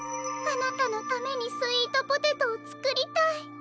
あなたのためにスイートポテトをつくりたい。